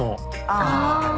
ああ。